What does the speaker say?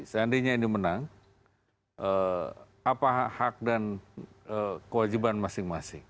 seandainya ini menang apa hak dan kewajiban masing masing